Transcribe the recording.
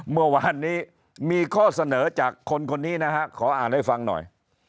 เมื่อวานนี้มีข้อเสนอจากคนคนนี้นะฮะขออ่านให้ฟังหน่อย